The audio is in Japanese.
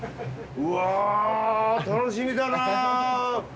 うわ楽しみだな！